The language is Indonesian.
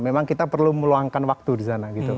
memang kita perlu meluangkan waktu di sana gitu